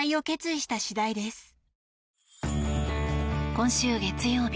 今週月曜日